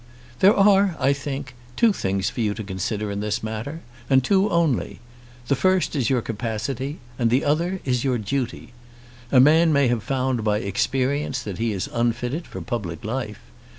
There are, I think, two things for you to consider in this matter, and two only. The first is your capacity, and the other is your duty. A man may have found by experience that he is unfitted for public life.